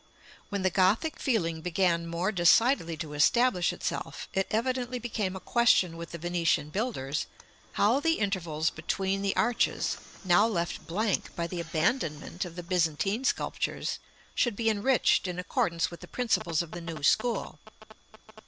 § XLIII. When the Gothic feeling began more decidedly to establish itself, it evidently became a question with the Venetian builders, how the intervals between the arches, now left blank by the abandonment of the Byzantine sculptures, should be enriched in accordance with the principles of the new school.